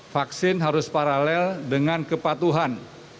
vaksin harus paralel dengan kepatuhan